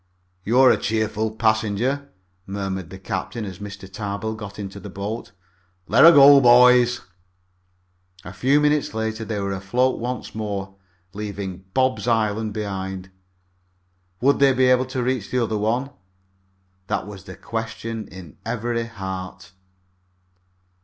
"You're a cheerful passenger," murmured the captain, as Mr. Tarbill got into the boat. "Let her go, boys!" A few minutes later they were afloat once more, leaving "Bob's Island" behind. Would they be able to reach the other one! That was the question in every heart.